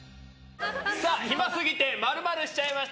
暇すぎて○○しちゃいました！